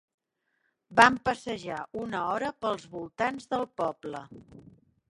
Vam passejar una hora pels voltants del poble.